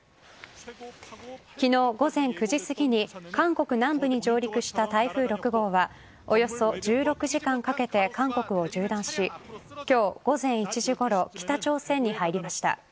昨日午前９時すぎに韓国南部に上陸した台風６号はおよそ１６時間かけて韓国を縦断し今日午前１時ごろ北朝鮮に入りました。